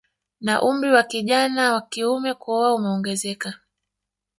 Na umri wa kijana wa kiume kuoa umeongezeka